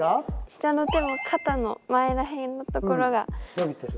下の手も肩の前ら辺のところが伸びてます。